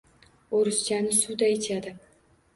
O’rischani suvday ichadi.